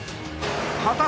［果たして］